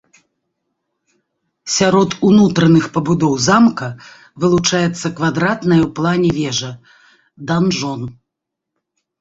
Сярод унутраных пабудоў замка вылучаецца квадратная ў плане вежа-данжон.